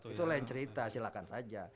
itu lain cerita silakan saja